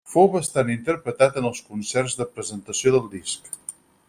Fou bastant interpretat en els concerts de presentació del disc.